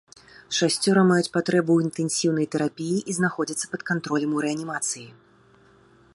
Шасцёра маюць патрэбу ў інтэнсіўнай тэрапіі і знаходзяцца пад кантролем у рэанімацыі.